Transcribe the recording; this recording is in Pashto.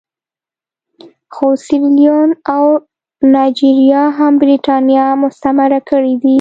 خو سیریلیون او نایجیریا هم برېټانیا مستعمره کړي دي.